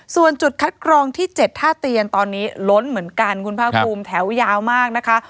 ส่วนจุดคัดกรองที่๗ท่าเตียนตอนนี้ล้นเหมือนกันคุณภาคภูมิแถวยาวมากนะคะ